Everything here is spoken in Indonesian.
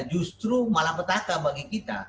justru malah petaka bagi kita